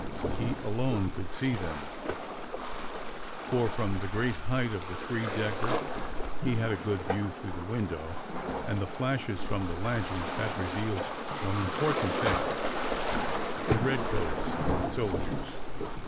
He alone could see them, for from the great height of the three decker he had a good view through the window, and the flashes from the lanterns had revealed one important thing: the red coats of soldiers.